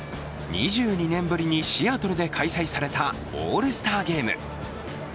２２年ぶりにシアトルで開催されたオールスターゲーム。